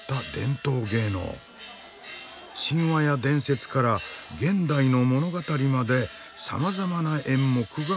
神話や伝説から現代の物語までさまざまな演目がある。